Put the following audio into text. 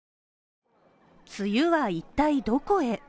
梅雨は一体どこへ。